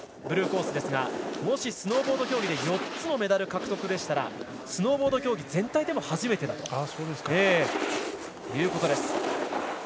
ブルーコースですがもしスノーボード競技で４つのメダル獲得でしたらスノーボード競技全体でも初めてです。